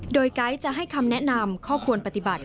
โดยไกด์จะให้คำแนะนำข้อควรปฏิบัติ